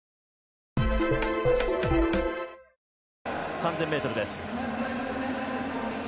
３０００ｍです。